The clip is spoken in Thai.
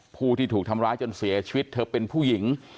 ผู้ที่ถูกทำร้ายจนเสียชีวิตเธอเป็นผู้หญิง